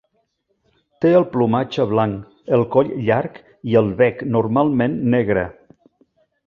Té el plomatge blanc, el coll llarg i el bec normalment negre.